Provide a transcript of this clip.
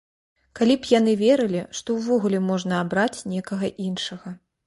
Калі б яны верылі, што ўвогуле можна абраць некага іншага.